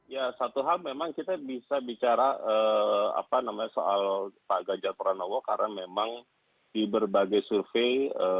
ya satu hal memang kita bisa bicara soal pak ganjar pranowo karena memang di berbagai survei